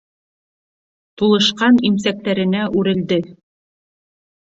Тулышҡан имсәктәренә үрелде.